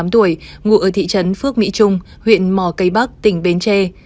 hai mươi tám tuổi ngụ ở thị trấn phước mỹ trung huyện mò cây bắc tỉnh bến tre